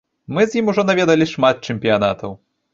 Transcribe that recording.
Мы з ім ужо наведалі шмат чэмпіянатаў.